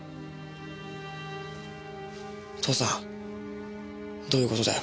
父さんどういう事だよ。